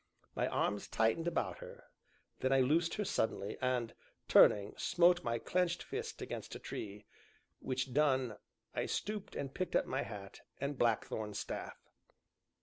My arms tightened about her, then I loosed her suddenly, and, turning, smote my clenched fist against a tree; which done, I stooped and picked up my hat and blackthorn staff.